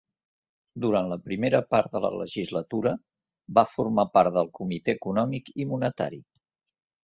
Durant la primera part de la legislatura, va formar part del Comitè Econòmic i Monetari.